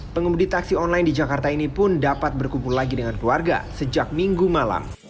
pengemudi taksi online di jakarta ini pun dapat berkumpul lagi dengan keluarga sejak minggu malam